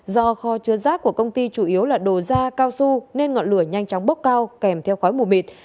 do kho chứa rác của công ty chủ yếu là đồ da cao su nên ngọn lửa nhanh chóng bốc cao kèm theo khói mù mịt